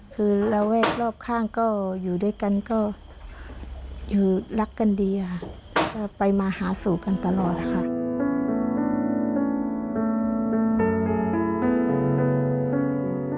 คือระแวกรอบข้างก็อยู่ด้วยกันก็อยู่รักกันดีค่ะก็ไปมาหาสู่กันตลอดค่ะ